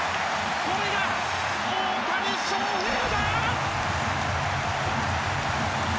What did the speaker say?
これが大谷翔平だ！